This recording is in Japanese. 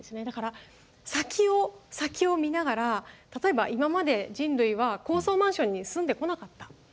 だから先を先を見ながら例えば今まで人類は高層マンションに住んでこなかった。